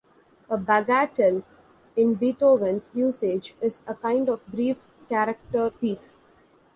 A bagatelle, in Beethoven's usage, is a kind of brief character piece.